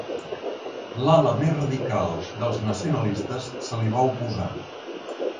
L'ala més radicals dels nacionalistes se li va oposar.